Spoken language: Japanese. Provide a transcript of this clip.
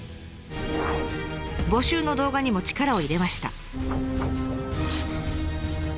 募集の動画にも力を入れました。